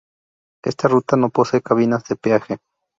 Esta ruta no posee cabinas de peaje.